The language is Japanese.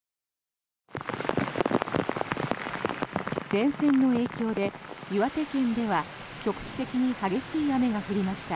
前線の影響で、岩手県では局地的に激しい雨が降りました。